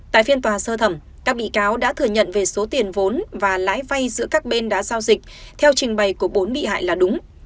tại phiên tòa sơ thẩm các bị cáo đã thừa nhận về số tiền vốn và lãi vay giữa các bên đã giao dịch theo trình bày của bốn bị hại là đúng